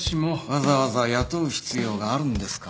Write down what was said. わざわざ雇う必要があるんですかねぇ。